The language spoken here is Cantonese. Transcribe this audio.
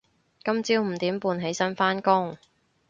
今朝五點半起身返工